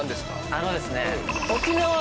あのですね。